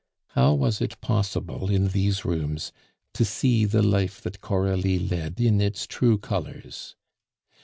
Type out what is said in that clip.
How was it possible in these rooms to see the life that Coralie led in its true colors?